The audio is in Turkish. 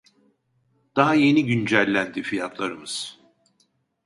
Daha yeni güncellendi fiyatlarımız